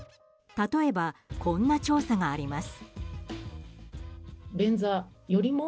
例えば、こんな調査があります。